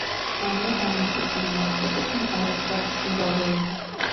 მანვე დაამტკიცა, რომ არსებობენ არათვლადი სიმრავლეები.